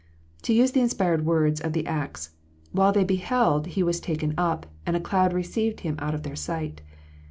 To use the inspired words of the Acts, " While they beheld, He was taken up, and a cloud received Him out of their sight."